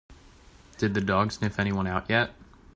Did the dog sniff anyone out yet?